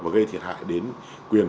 và gây thiệt hại đến quyền của chúng ta